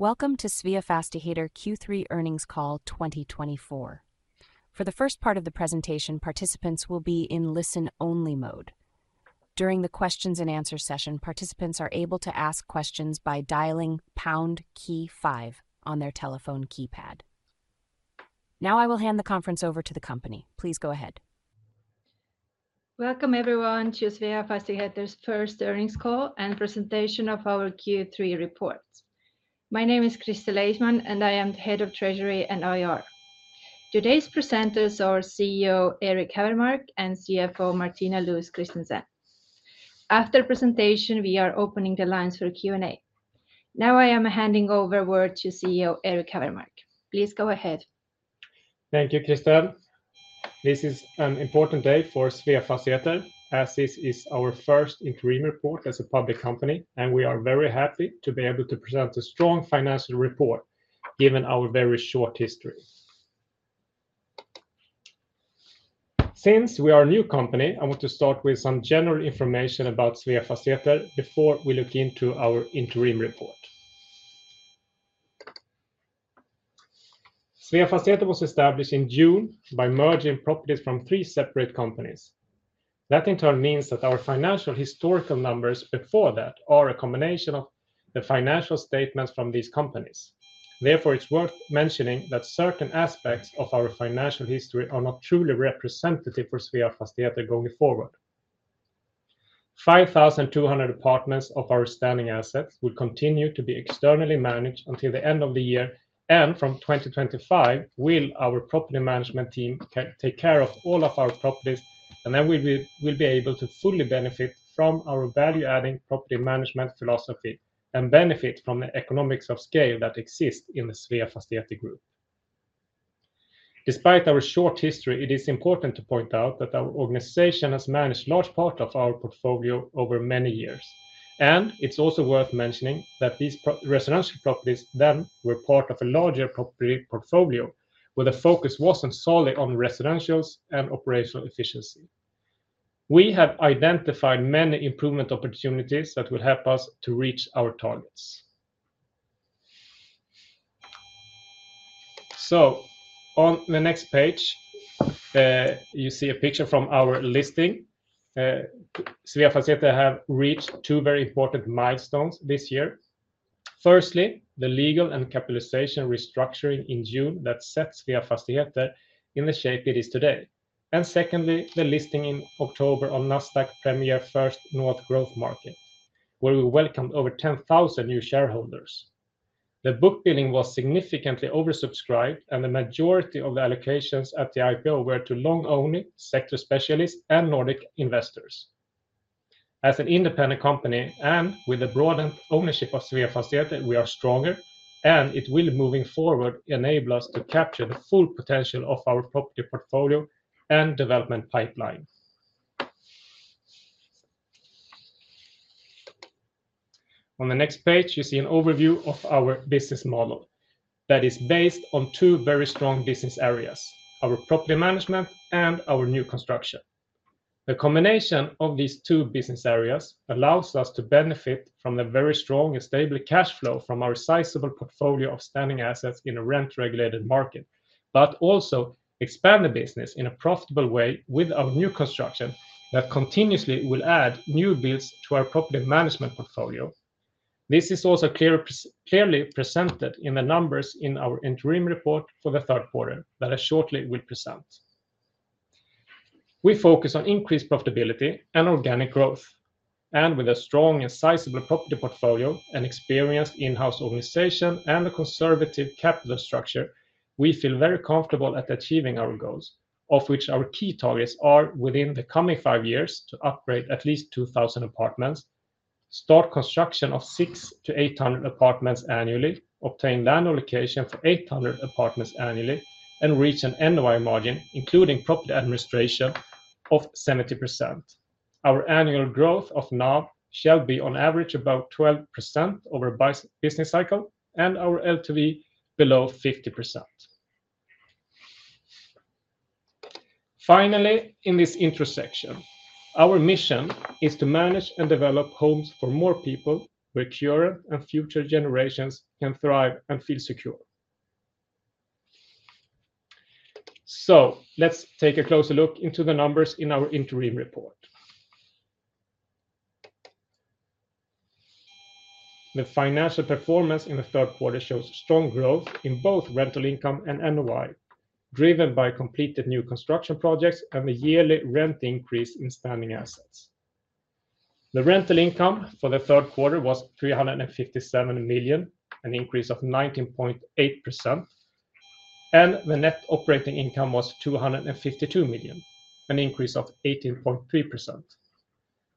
Welcome to Sveafastigheter Q3 earnings call 2024. For the first part of the presentation, participants will be in listen-only mode. During the Q&A session, participants are able to ask questions by dialing #5 on their telephone keypad. Now I will hand the conference over to the company. Please go ahead. Welcome, everyone, to Sveafastigheter's first earnings call and presentation of our Q3 reports. My name is Kristel Eismann, and I am the Head of Treasury and IR. Today's presenters are CEO Erik Hävermark and CFO Martina Lous-Christensen. After the presentation, we are opening the lines for Q&A. Now I am handing over the word to CEO Erik Hävermark. Please go ahead. Thank you, Kristel. This is an important day for Sveafastigheter, as this is our first interim report as a public company, and we are very happy to be able to present a strong financial report given our very short history. Since we are a new company, I want to start with some general information about Sveafastigheter before we look into our interim report. Sveafastigheter was established in June by merging properties from three separate companies. That in turn means that our financial historical numbers before that are a combination of the financial statements from these companies. Therefore, it's worth mentioning that certain aspects of our financial history are not truly representative for Sveafastigheter going forward. 5,200 apartments of our standing assets will continue to be externally managed until the end of the year, and from 2025, our property management team will take care of all of our properties, and then we will be able to fully benefit from our value-adding property management philosophy and benefit from the economies of scale that exist in the Sveafastigheter Group. Despite our short history, it is important to point out that our organization has managed a large part of our portfolio over many years, and it's also worth mentioning that these residential properties then were part of a larger property portfolio, where the focus wasn't solely on residentials and operational efficiency. We have identified many improvement opportunities that will help us to reach our targets, so on the next page, you see a picture from our listing. Sveafastigheter has reached two very important milestones this year. Firstly, the legal and capitalization restructuring in June that set Sveafastigheter in the shape it is today. And secondly, the listing in October on Nasdaq First North Premier Growth Market, where we welcomed over 10,000 new shareholders. The book building was significantly oversubscribed, and the majority of the allocations at the IPO were to long-only sector specialists and Nordic investors. As an independent company and with the broadened ownership of Sveafastigheter, we are stronger, and it will, moving forward, enable us to capture the full potential of our property portfolio and development pipeline. On the next page, you see an overview of our business model that is based on two very strong business areas: our property management and our new construction. The combination of these two business areas allows us to benefit from the very strong and stable cash flow from our sizable portfolio of standing assets in a rent-regulated market, but also expand the business in a profitable way with our new construction that continuously will add new builds to our property management portfolio. This is also clearly presented in the numbers in our interim report for the third quarter that I shortly will present. We focus on increased profitability and organic growth, and with a strong and sizable property portfolio, an experienced in-house organization, and a conservative capital structure, we feel very comfortable at achieving our goals, of which our key targets are within the coming five years to upgrade at least 2,000 apartments, start construction of 600 to 800 apartments annually, obtain land allocation for 800 apartments annually, and reach an NOI margin, including property administration, of 70%. Our annual growth of NAV shall be, on average, about 12% over a business cycle, and our LTV below 50%. Finally, in this intro section, our mission is to manage and develop homes for more people where current and future generations can thrive and feel secure. So, let's take a closer look into the numbers in our interim report. The financial performance in the third quarter shows strong growth in both rental income and NOI, driven by completed new construction projects and the yearly rent increase in standing assets. The rental income for the third quarter was 357 million, an increase of 19.8%, and the net operating income was 252 million, an increase of 18.3%.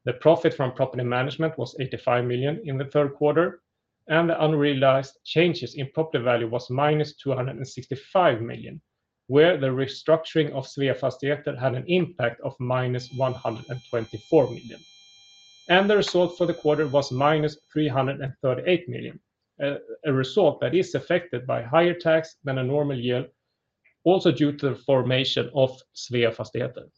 The profit from property management was 85 million in the third quarter, and the unrealized changes in property value was -265 million, where the restructuring of Sveafastigheter had an impact of -124 million. And the result for the quarter was -338 million SEK, a result that is affected by higher tax than a normal year, also due to the formation of Sveafastigheter.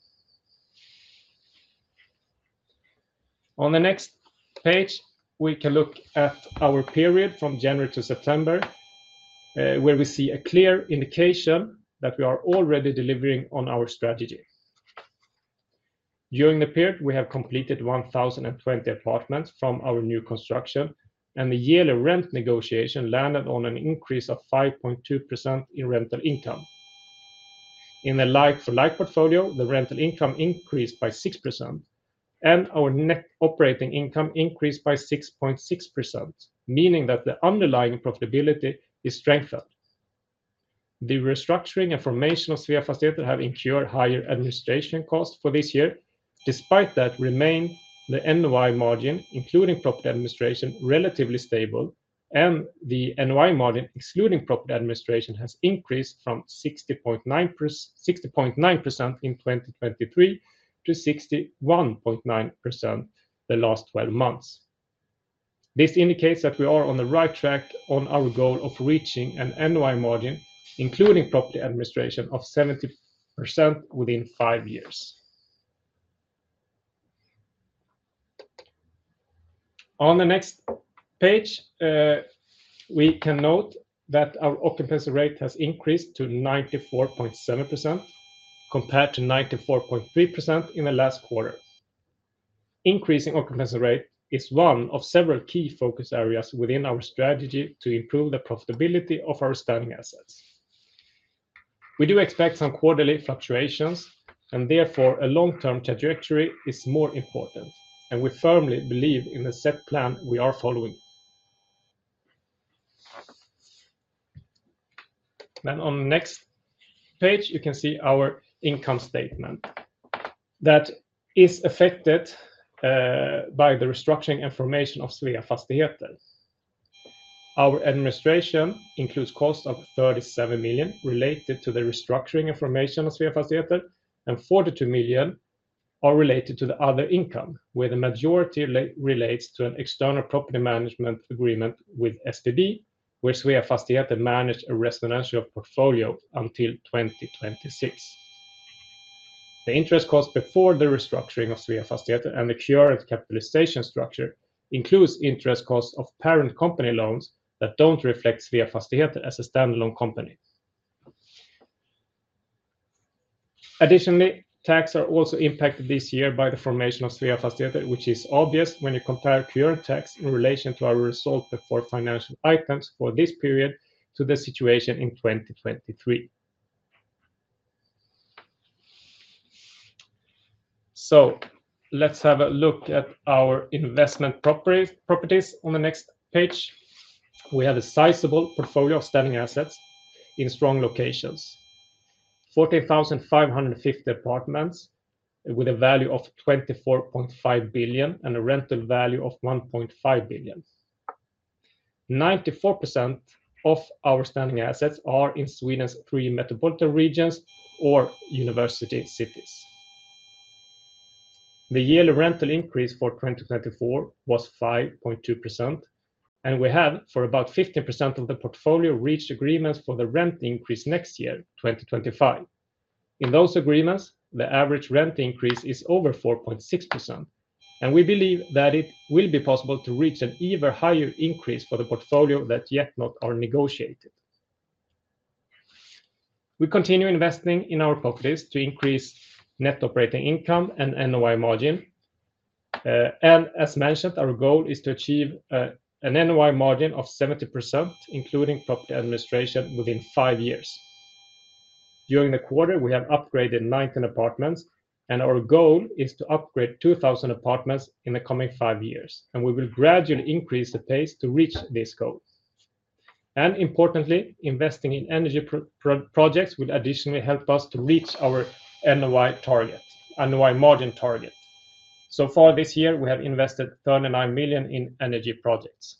On the next page, we can look at our period from January to September, where we see a clear indication that we are already delivering on our strategy. During the period, we have completed 1,020 apartments from our new construction, and the yearly rent negotiation landed on an increase of 5.2% in rental income. In the like-for-like portfolio, the rental income increased by 6%, and our net operating income increased by 6.6%, meaning that the underlying profitability is strengthened. The restructuring and formation of Sveafastigheter have incurred higher administration costs for this year. Despite that, the NOI margin, including property administration, is relatively stable, and the NOI margin excluding property administration has increased from 60.9% in 2023 to 61.9% the last 12 months. This indicates that we are on the right track on our goal of reaching an NOI margin, including property administration, of 70% within five years. On the next page, we can note that our occupancy rate has increased to 94.7% compared to 94.3% in the last quarter. Increasing occupancy rate is one of several key focus areas within our strategy to improve the profitability of our standing assets. We do expect some quarterly fluctuations, and therefore a long-term trajectory is more important, and we firmly believe in the set plan we are following. Then, on the next page, you can see our income statement that is affected by the restructuring and formation of Sveafastigheter. Our administration includes a cost of 37 million related to the restructuring and formation of Sveafastigheter, and 42 million are related to the other income, where the majority relates to an external property management agreement with SBB, where Sveafastigheter managed a residential portfolio until 2026. The interest cost before the restructuring of Sveafastigheter and the current capitalization structure includes interest costs of parent company loans that don't reflect Sveafastigheter as a standalone company. Additionally, tax is also impacted this year by the formation of Sveafastigheter, which is obvious when you compare current tax in relation to our result before financial items for this period to the situation in 2023. So, let's have a look at our investment properties on the next page. We have a sizable portfolio of standing assets in strong locations: 14,550 apartments with a value of 24.5 billion and a rental value of 1.5 billion. 94% of our standing assets are in Sweden's three metropolitan regions or university cities. The yearly rental increase for 2024 was 5.2%, and we have, for about 15% of the portfolio, reached agreements for the rent increase next year, 2025. In those agreements, the average rent increase is over 4.6%, and we believe that it will be possible to reach an even higher increase for the portfolio that yet not are negotiated. We continue investing in our properties to increase net operating income and NOI margin, and as mentioned, our goal is to achieve an NOI margin of 70%, including property administration, within five years. During the quarter, we have upgraded 19 apartments, and our goal is to upgrade 2,000 apartments in the coming five years, and we will gradually increase the pace to reach this goal. Importantly, investing in energy projects will additionally help us to reach our NOI margin target. So far this year, we have invested 39 million in energy projects.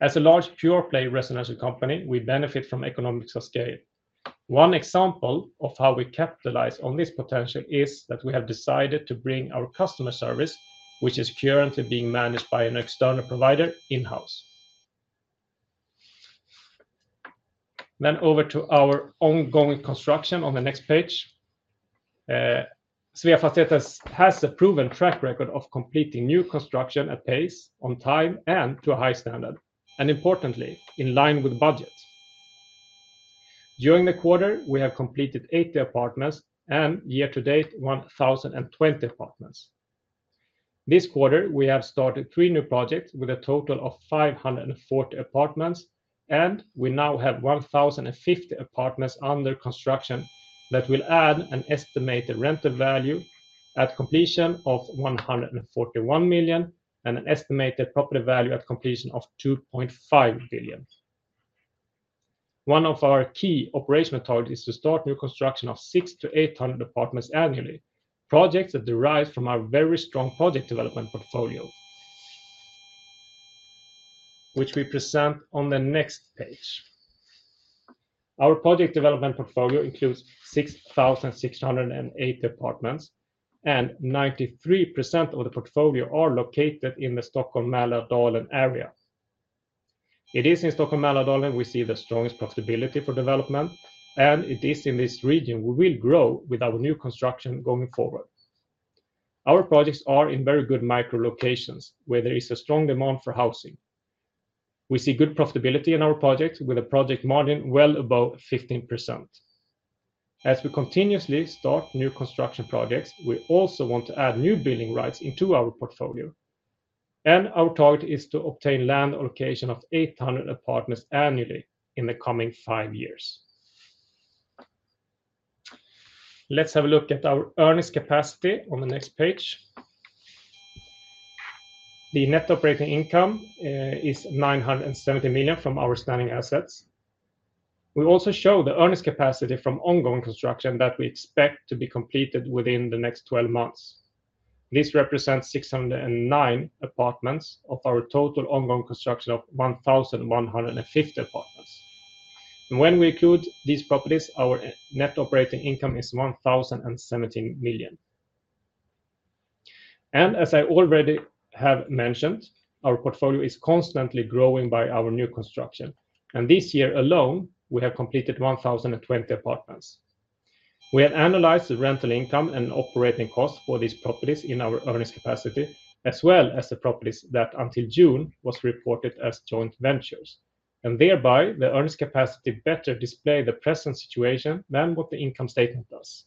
As a large pure-play residential company, we benefit from economies of scale. One example of how we capitalize on this potential is that we have decided to bring our customer service, which is currently being managed by an external provider, in-house. Over to our ongoing construction on the next page. Sveafastigheter has a proven track record of completing new construction at pace, on time, and to a high standard, and importantly, in line with budget. During the quarter, we have completed 80 apartments and, year to date, 1,020 apartments. This quarter, we have started three new projects with a total of 540 apartments, and we now have 1,050 apartments under construction that will add an estimated rental value at completion of 141 million and an estimated property value at completion of 2.5 billion. One of our key operational targets is to start new construction of 600-800 apartments annually, projects that derive from our very strong project development portfolio, which we present on the next page. Our project development portfolio includes 6,608 apartments, and 93% of the portfolio are located in the Stockholm-Mälardalen area. It is in Stockholm-Mälardalen we see the strongest profitability for development, and it is in this region we will grow with our new construction going forward. Our projects are in very good micro-locations, where there is a strong demand for housing. We see good profitability in our projects, with a project margin well above 15%. As we continuously start new construction projects, we also want to add new building rights into our portfolio, and our target is to obtain land allocation of 800 apartments annually in the coming five years. Let's have a look at our earnings capacity on the next page. The net operating income is 970 million SEK from our standing assets. We also show the earnings capacity from ongoing construction that we expect to be completed within the next 12 months. This represents 609 apartments of our total ongoing construction of 1,150 apartments, and when we include these properties, our net operating income is 1,017 million SEK, and as I already have mentioned, our portfolio is constantly growing by our new construction, and this year alone, we have completed 1,020 apartments. We have analyzed the rental income and operating costs for these properties in our earnings capacity, as well as the properties that until June were reported as joint ventures, and thereby the earnings capacity better displays the present situation than what the income statement does.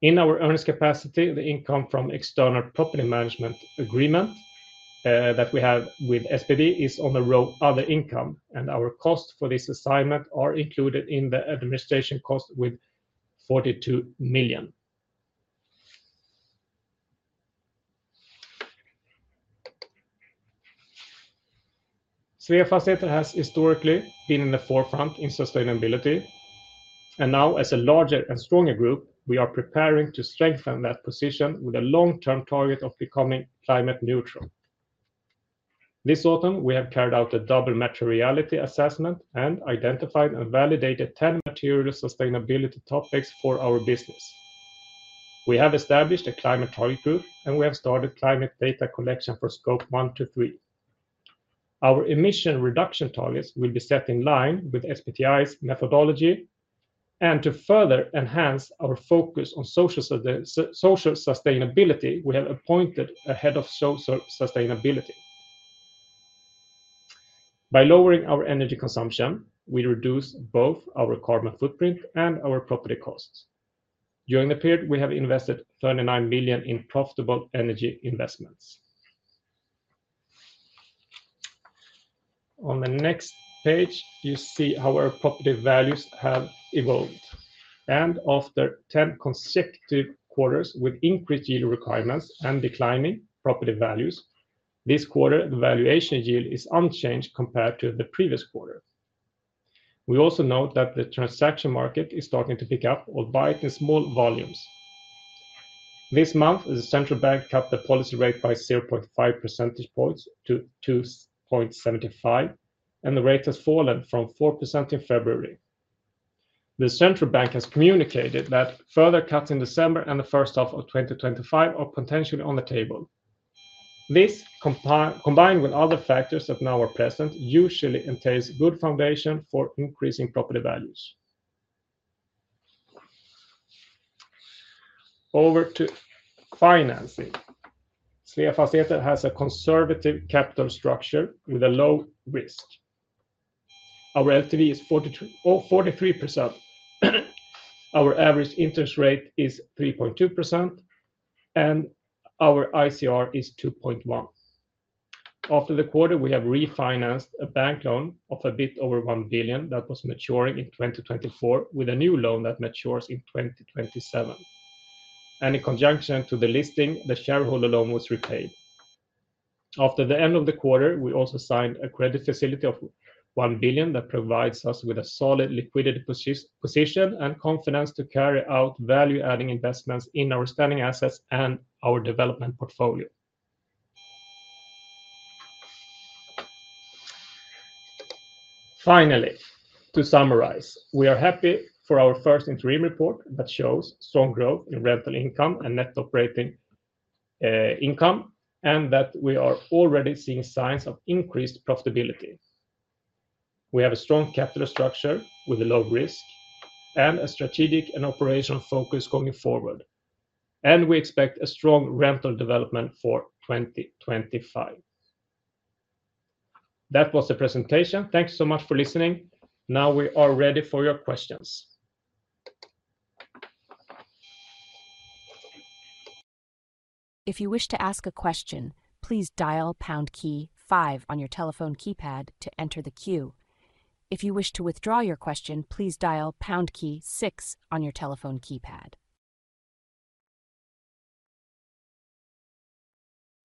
In our earnings capacity, the income from external property management agreement that we have with SBB is on the row Other Income, and our costs for this assignment are included in the administration cost with 42 million SEK. Sveafastigheter has historically been in the forefront in sustainability, and now, as a larger and stronger group, we are preparing to strengthen that position with a long-term target of becoming climate neutral. This autumn, we have carried out a double materiality assessment and identified and validated 10 material sustainability topics for our business. We have established a climate target group, and we have started climate data collection for Scope 1, 2, and 3. Our emission reduction targets will be set in line with SBTi's methodology, and to further enhance our focus on social sustainability, we have appointed a head of social sustainability. By lowering our energy consumption, we reduce both our carbon footprint and our property costs. During the period, we have invested 39 million in profitable energy investments. On the next page, you see how our property values have evolved, and after 10 consecutive quarters with increased yield requirements and declining property values, this quarter, the valuation yield is unchanged compared to the previous quarter. We also note that the transaction market is starting to pick up, albeit in small volumes. This month, the central bank cut the policy rate by 0.5 percentage points to 2.75, and the rate has fallen from 4% in February. The central bank has communicated that further cuts in December and the first half of 2025 are potentially on the table. This, combined with other factors that now are present, usually entails a good foundation for increasing property values. Over to financing. Sveafastigheter has a conservative capital structure with a low risk. Our LTV is 43%, our average interest rate is 3.2%, and our ICR is 2.1. After the quarter, we have refinanced a bank loan of a bit over 1 billion that was maturing in 2024, with a new loan that matures in 2027. And in conjunction to the listing, the shareholder loan was repaid. After the end of the quarter, we also signed a credit facility of 1 billion that provides us with a solid liquidity position and confidence to carry out value-adding investments in our standing assets and our development portfolio. Finally, to summarize, we are happy for our first interim report that shows strong growth in rental income and net operating income, and that we are already seeing signs of increased profitability. We have a strong capital structure with a low risk and a strategic and operational focus going forward, and we expect a strong rental development for 2025. That was the presentation. Thank you so much for listening. Now we are ready for your questions. If you wish to ask a question, please dial pound key five on your telephone keypad to enter the queue. If you wish to withdraw your question, please dial pound key six on your telephone keypad.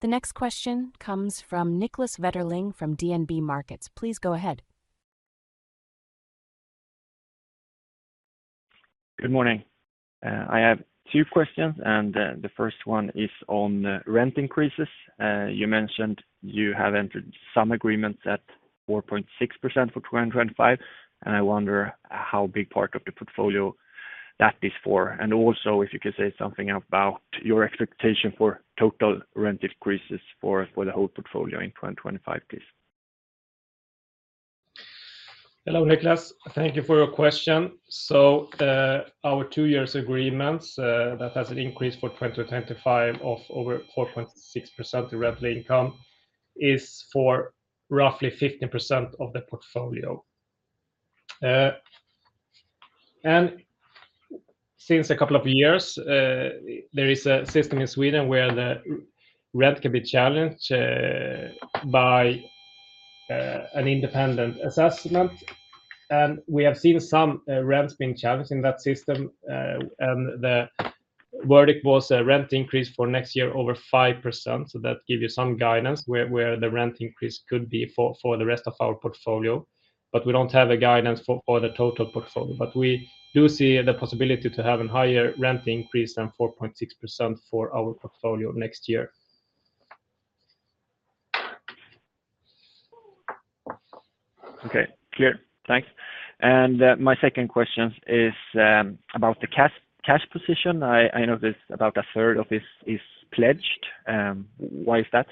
The next question comes from Niclas Vetterling from DNB Markets. Please go ahead. Good morning. I have two questions, and the first one is on rent increases. You mentioned you have entered some agreements at 4.6% for 2025, and I wonder how big part of the portfolio that is for, and also if you could say something about your expectation for total rent increases for the whole portfolio in 2025, please. Hello, Niclas. Thank you for your question. So our two-year agreements that have an increase for 2025 of over 4.6% in rental income is for roughly 15% of the portfolio. And since a couple of years, there is a system in Sweden where the rent can be challenged by an independent assessment, and we have seen some rents being challenged in that system, and the verdict was a rent increase for next year over 5%. So that gives you some guidance where the rent increase could be for the rest of our portfolio, but we don't have a guidance for the total portfolio. But we do see the possibility to have a higher rent increase than 4.6% for our portfolio next year. Okay, clear. Thanks. And my second question is about the cash position. I know that about a third of it is pledged. Why is that?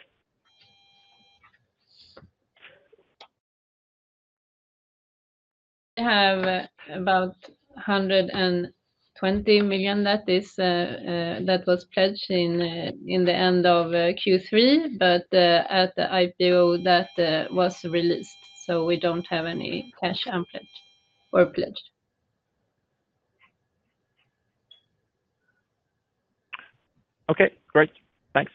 We have about 120 million that was pledged in the end of Q3, but at the IPO that was released, so we don't have any cash unpledged or pledged. Okay, great. Thanks.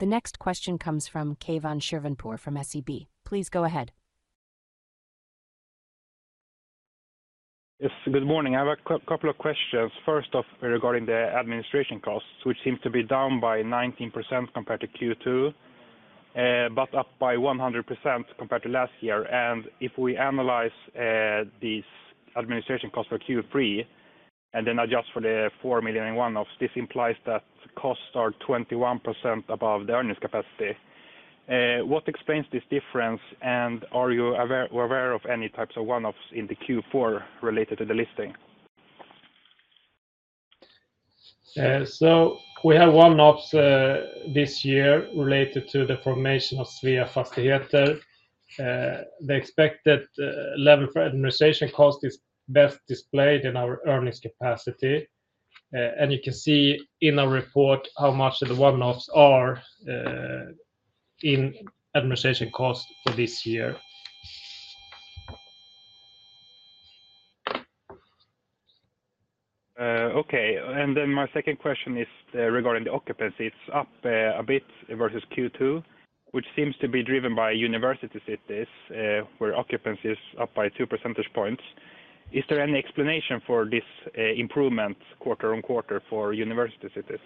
The next question comes from Keivan Shirvanpour from SEB. Please go ahead. Yes, good morning. I have a couple of questions. First off, regarding the administration costs, which seem to be down by 19% compared to Q2, but up by 100% compared to last year. If we analyze these administration costs for Q3 and then adjust for the 4 million in one-offs, this implies that costs are 21% above the earnings capacity. What explains this difference, and are you aware of any types of one-offs in the Q4 related to the listing? We have one-offs this year related to the formation of Sveafastigheter. The expected level for administration cost is best displayed in our earnings capacity, and you can see in our report how much the one-offs are in administration costs for this year. Okay, and then my second question is regarding the occupancy. It's up a bit versus Q2, which seems to be driven by university cities, where occupancy is up by two percentage points. Is there any explanation for this improvement quarter-on-quarter for university cities?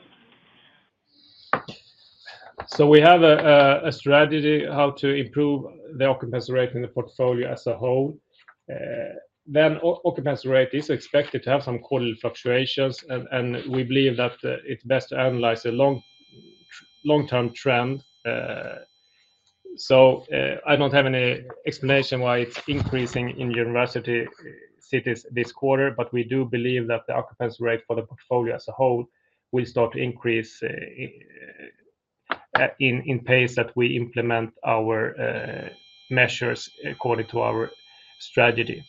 So we have a strategy how to improve the occupancy rate in the portfolio as a whole. Then occupancy rate is expected to have some quarterly fluctuations, and we believe that it's best to analyze a long-term trend. So I don't have any explanation why it's increasing in university cities this quarter, but we do believe that the occupancy rate for the portfolio as a whole will start to increase in pace that we implement our measures according to our strategy.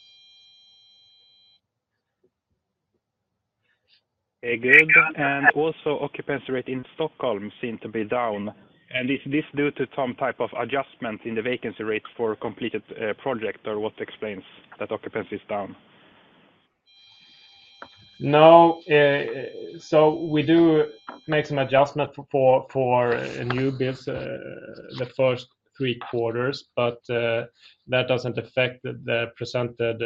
Very good. And also, occupancy rate in Stockholm seem to be down. And is this due to some type of adjustment in the vacancy rates for completed projects, or what explains that occupancy is down? No. So we do make some adjustments for new builds the first three quarters, but that doesn't affect the presented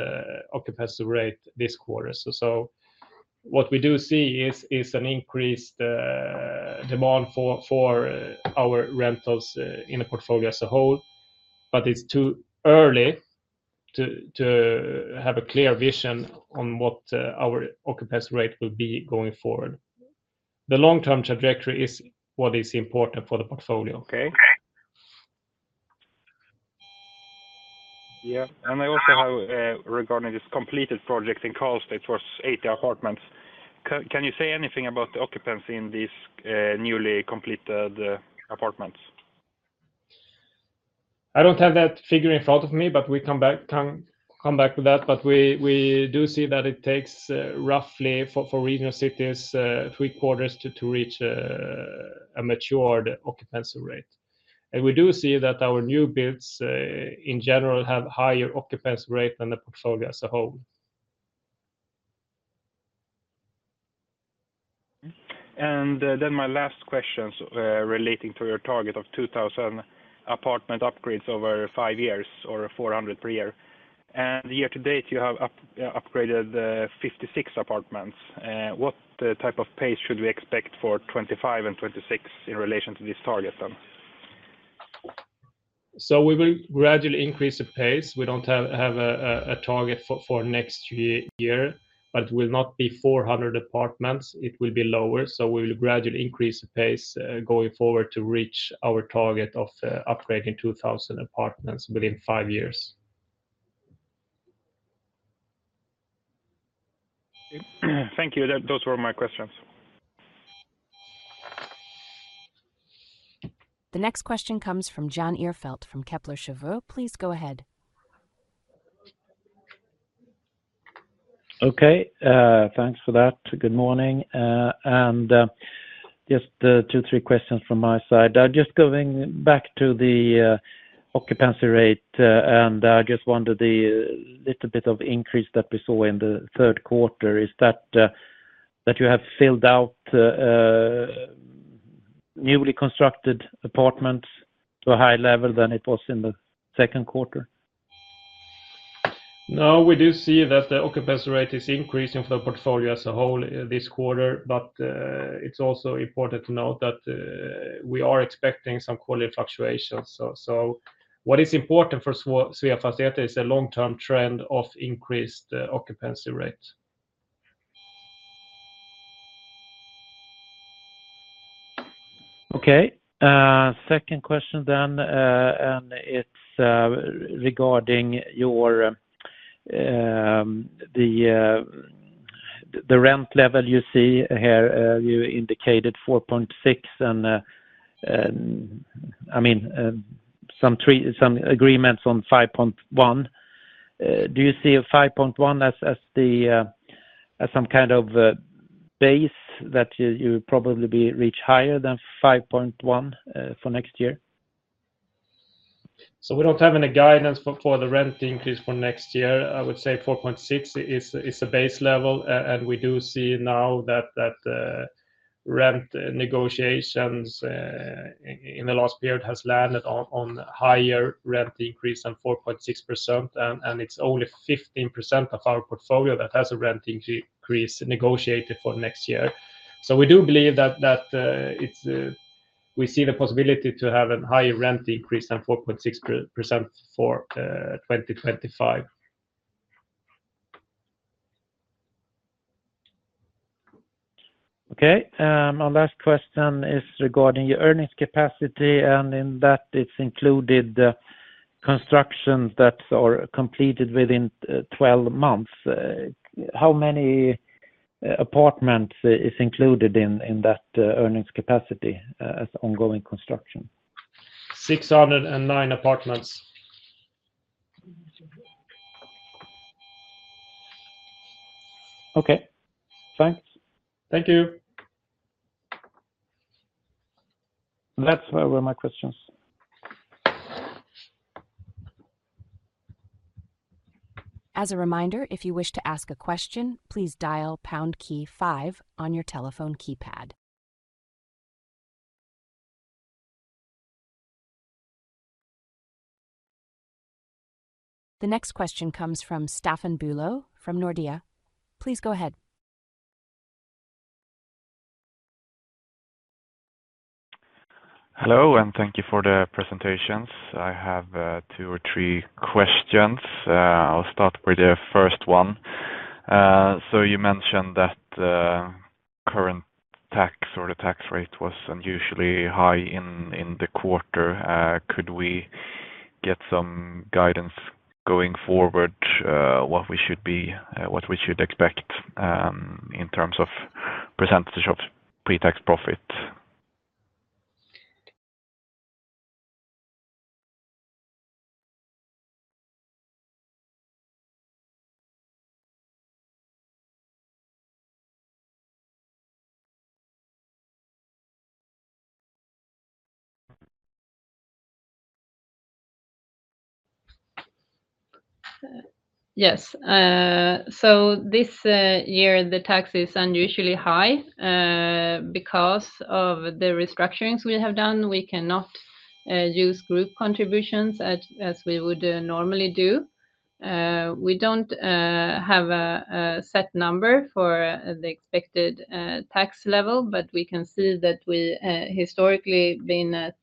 occupancy rate this quarter. What we do see is an increased demand for our rentals in the portfolio as a whole, but it's too early to have a clear vision on what our occupancy rate will be going forward. The long-term trajectory is what is important for the portfolio. Okay. Yeah. And I also have regarding this completed project in Karlstad, it was 80 apartments. Can you say anything about the occupancy in these newly completed apartments? I don't have that figure in front of me, but we can come back to that. But we do see that it takes roughly for regional cities three quarters to reach a matured occupancy rate. And we do see that our new builds, in general, have a higher occupancy rate than the portfolio as a whole. And then my last question relating to your target of 2,000 apartment upgrades over five years or 400 per year. And year-to-date, you have upgraded 56 apartments. What type of pace should we expect for 2025 and 2026 in relation to this target then? We will gradually increase the pace. We don't have a target for next year, but it will not be 400 apartments. It will be lower. We will gradually increase the pace going forward to reach our target of upgrading 2,000 apartments within five years. Thank you. Those were my questions. The next question comes from Jan Ihrfelt from Kepler Cheuvreux. Please go ahead. Okay. Thanks for that. Good morning. Just two, three questions from my side. Just going back to the occupancy rate, and I just wondered the little bit of increase that we saw in the third quarter, is that you have filled out newly constructed apartments to a higher level than it was in the second quarter? No, we do see that the occupancy rate is increasing for the portfolio as a whole this quarter, but it's also important to note that we are expecting some quarterly fluctuations. So what is important for Sveafastigheter is a long-term trend of increased occupancy rate. Okay. Second question then, and it's regarding the rent level you see here. You indicated 4.6%, and I mean some agreements on 5.1%. Do you see 5.1% as some kind of base that you probably will reach higher than 5.1% for next year? So we don't have any guidance for the rent increase for next year. I would say 4.6% is a base level, and we do see now that rent negotiations in the last period have landed on higher rent increase than 4.6%, and it's only 15% of our portfolio that has a rent increase negotiated for next year. So we do believe that we see the possibility to have a higher rent increase than 4.6% for 2025. Okay. My last question is regarding your earnings capacity, and in that, it's included construction that are completed within 12 months. How many apartments are included in that earnings capacity as ongoing construction? 609 apartments. Okay. Thanks. Thank you. That's where my questions. As a reminder, if you wish to ask a question, please dial pound key 5 on your telephone keypad. The next question comes from Staffan Bülow from Nordea. Please go ahead. Hello, and thank you for the presentations. I have two or three questions. I'll start with the first one. So you mentioned that current tax or the tax rate was unusually high in the quarter. Could we get some guidance going forward on what we should be, what we should expect in terms of percentage of pre-tax profit? Yes. So this year, the tax is unusually high because of the restructurings we have done. We cannot use group contributions as we would normally do. We don't have a set number for the expected tax level, but we can see that we historically have been at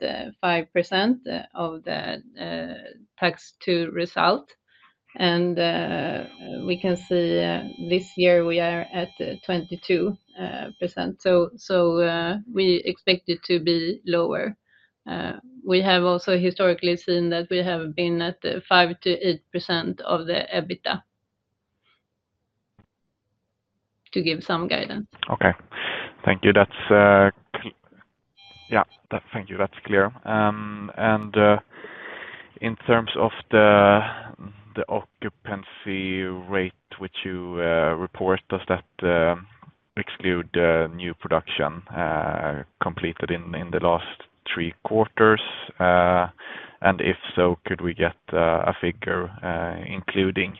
5% of the tax to result, and we can see this year we are at 22%. So we expect it to be lower. We have also historically seen that we have been at 5%-8% of the EBITDA to give some guidance. Okay. Thank you. Yeah. Thank you. That's clear. And in terms of the occupancy rate, which you report, does that exclude new production completed in the last three quarters? And if so, could we get a figure including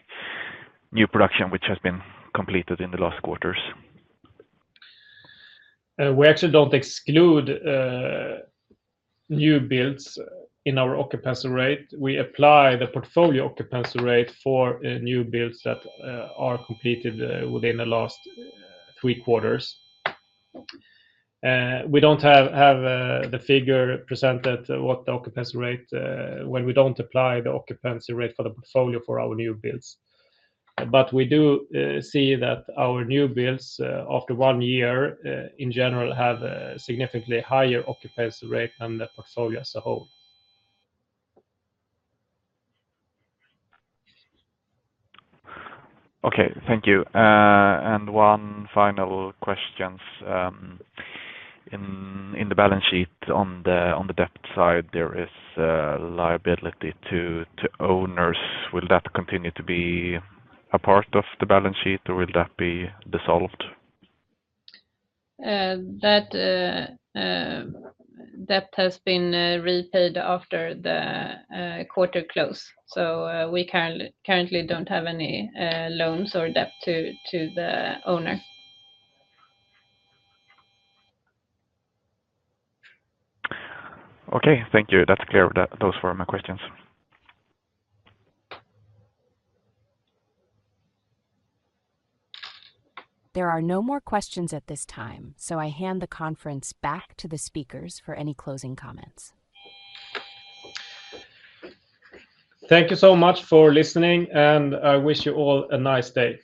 new production which has been completed in the last quarters? We actually don't exclude new builds in our occupancy rate. We apply the portfolio occupancy rate for new builds that are completed within the last three quarters. We don't have the figure presented what the occupancy rate when we don't apply the occupancy rate for the portfolio for our new builds. But we do see that our new builds, after one year, in general, have a significantly higher occupancy rate than the portfolio as a whole. Okay. Thank you. And one final question. In the balance sheet on the debt side, there is liability to owners. Will that continue to be a part of the balance sheet, or will that be dissolved? That debt has been repaid after the quarter close. So we currently don't have any loans or debt to the owner. Okay. Thank you. That's clear. Those were my questions. There are no more questions at this time, so I hand the conference back to the speakers for any closing comments. Thank you so much for listening, and I wish you all a nice day.